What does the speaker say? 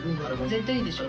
絶対いいんでしょ？